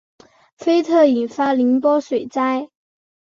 菲特引发宁波水灾。